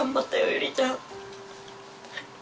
ゆりちゃん。